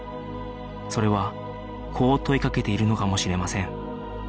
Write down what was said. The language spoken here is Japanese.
それはこう問いかけているのかもしれません